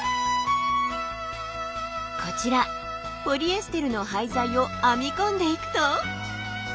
こちらポリエステルの廃材を編み込んでいくと。